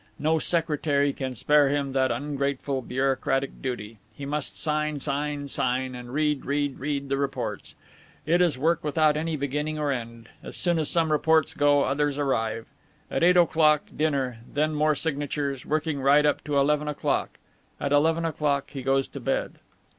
No secretary can spare him that ungrateful bureaucratic duty. He must sign, sign, sign, and read, read, read the reports. And it is work without any beginning or end; as soon as some reports go, others arrive. At eight o'clock, dinner, and then more signatures, working right up to eleven o'clock. At eleven o'clock he goes to bed."